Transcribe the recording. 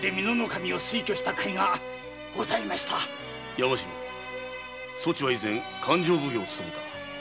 山城そちは以前勘定奉行を勤めた。